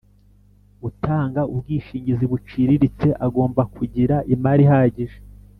Utanga ubwishingizi buciriritse agomba kugira imari ihagije